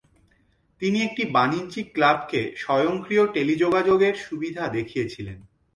তিনি একটি বাণিজ্যিক ক্লাবকে স্বয়ংক্রিয় টেলিযোগাযোগ এর সুবিধা দেখিয়েছিলেন।